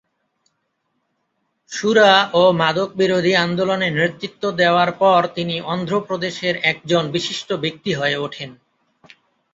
সুরা ও মাদক বিরোধী আন্দোলনে নেতৃত্ব দেওয়ার পর তিনি অন্ধ্রপ্রদেশের একজন বিশিষ্ট ব্যক্তিত্ব হয়ে ওঠেন।